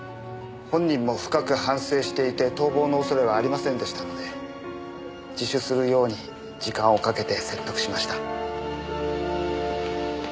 本人も深く反省していて逃亡の恐れはありませんでしたので自首するように時間をかけて説得しました。